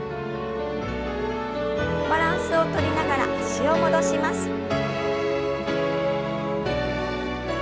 バランスをとりながら脚を戻します。